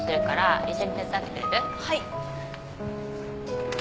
はい。